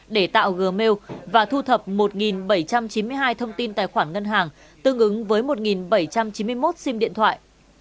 để tạo gmail và thu thập một bảy trăm chín mươi hai thông tin tài khoản ngân hàng tương ứng với một bảy trăm chín mươi một sim điện thoại